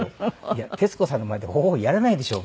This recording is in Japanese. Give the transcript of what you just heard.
いや徹子さんの前でホホホイやらないでしょ！